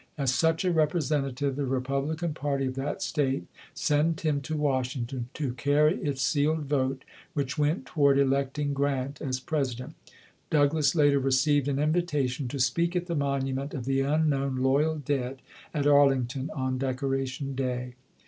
As such a representative, the Republican party of that state sent him to Washington to carry its sealed vote which went toward electing Grant as President. Douglass later received an invitation to speak at the monument of the unknown loyal dead, at Arlington, on Decoration Day.